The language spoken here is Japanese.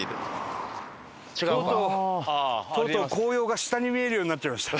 とうとうとうとう紅葉が下に見えるようになっちゃいました。